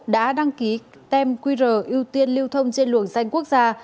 đã đăng ký tem qr ưu tiên lưu thông trên luồng danh quốc gia